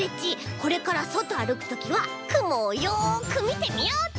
これからそとあるくときはくもをよくみてみようっと！